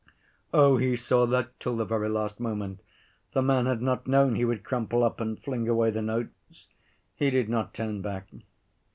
Oh, he saw that till the very last moment the man had not known he would crumple up and fling away the notes. He did not turn back.